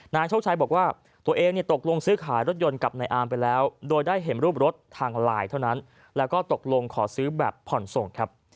นายโชคชัยบอกว่าตัวเองตกลงซื้อขายรถยนต์กับนายอามไปแล้วโดยได้เห็นรูปรถทางไลน์เท่านั้นแล้วก็ตกลงขอซื้อแบบผ่อนส่งครับ